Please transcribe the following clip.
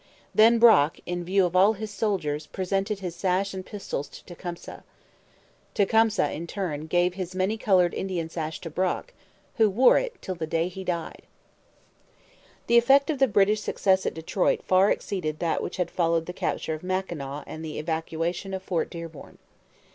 Then Brock, in view of all his soldiers, presented his sash and pistols to Tecumseh. Tecumseh, in turn, gave his many coloured Indian sash to Brock, who wore it till the day he died. The effect of the British success at Detroit far exceeded that which had followed the capture of Mackinaw and the evacuation of Fort Dearborn.